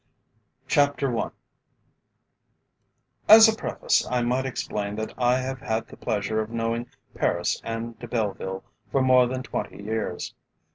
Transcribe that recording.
CHAPTER I As a preface, I might explain that I have had the pleasure of knowing Paris and De Belleville for more than twenty years.